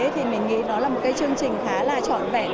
thì mình nghĩ đó là một cái chương trình khá là trọn vẹn